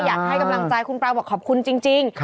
อยากให้กำลังใจคุณปลาบอกขอบคุณจริง